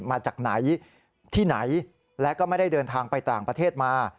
มาจากไหนที่ไหนและก็ไม่ได้เดินทางไปต่างประเทศมา